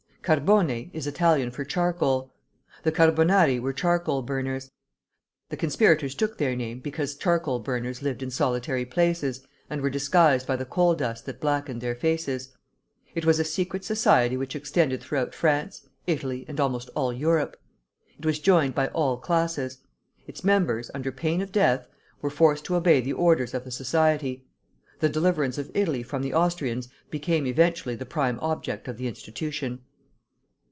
"Carbone" is Italian for charcoal. The Carbonari were charcoal burners. The conspirators took their name because charcoal burners lived in solitary places, and were disguised by the coal dust that blackened their faces. It was a secret society which extended throughout France, Italy, and almost all Europe. It was joined by all classes. Its members, under pain of death, were forced to obey the orders of the society. The deliverance of Italy from the Austrians became eventually the prime object of the institution.